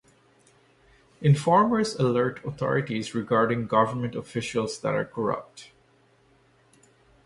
Informers alert authorities regarding government officials that are corrupt.